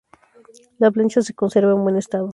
La plancha se conserva en buen estado.